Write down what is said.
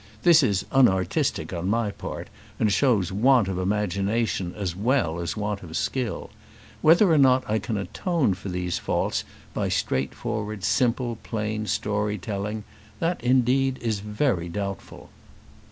This is unartistic on my part, and shows want of imagination as well as want of skill. Whether or not I can atone for these faults by straightforward, simple, plain story telling that, indeed, is very doubtful.